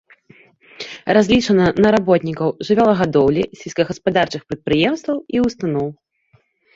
Разлічана на работнікаў жывёлагадоўлі сельскагаспадарчых прадпрыемстваў і устаноў.